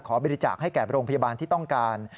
บริจาคให้แก่โรงพยาบาลที่ต้องการ